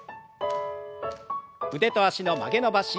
腕と脚の曲げ伸ばし。